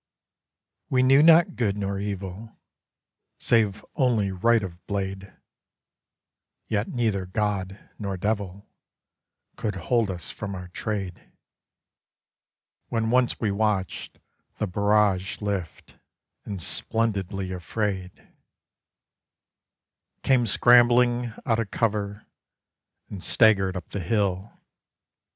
_ We knew not good nor evil, Save only right of blade; Yet neither god nor devil Could hold us from our trade, When once we watched the barrage lift, and splendidly afraid Came scrambling out of cover, And staggered up the hill....